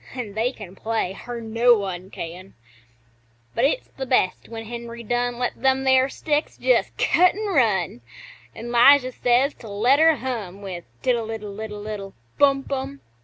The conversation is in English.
(An' they can play, er no one can); But it's the best when Henry Dunn Lets them there sticks just cut an' run, An' 'Lijah says to let her hum With "Tiddle iddle iddle iddle Bum Bum!"